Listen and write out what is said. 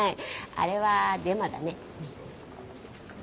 あれはデマだね。